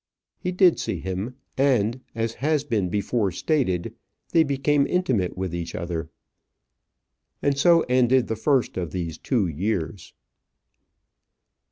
He did see him; and, as has been before stated, they became intimate with each other. And so ended the first of these two years.